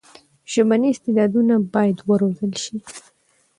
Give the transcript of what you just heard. ژبني استعدادونه باید وروزل سي.